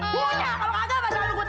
mau nyomong masih tau kejar